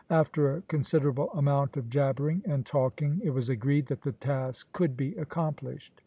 After a considerable amount of jabbering and talking, it was agreed that the task could be accomplished.